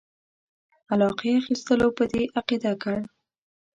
علاقې اخیستلو په دې عقیده کړ.